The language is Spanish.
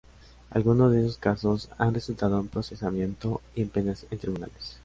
Algunos de esos casos han resultado en procesamiento y en penas en tribunales.